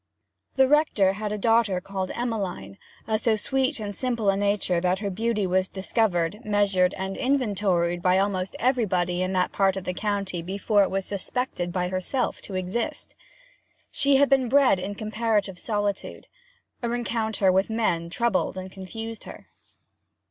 The rector had a daughter called Emmeline, of so sweet and simple a nature that her beauty was discovered, measured, and inventoried by almost everybody in that part of the country before it was suspected by herself to exist. She had been bred in comparative solitude; a rencounter with men troubled and confused her.